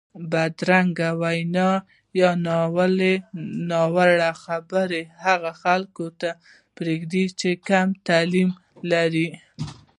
بدرد وینا یا ناوړه خبرې هغو خلکو ته پرېږده چې کم تعلیم لري.